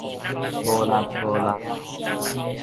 無濫無濫